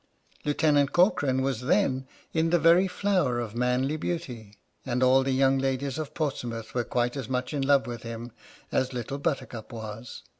Lieutenant Corcoran was then in the very flower of manly beauty, and all the young ladies of Portsmouth were quite as 76 H.M.S. "PINAFORE" much in love with him as Little Buttercup was.